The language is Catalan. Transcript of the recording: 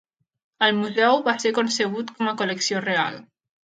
El museu va ser concebut com a col·lecció real.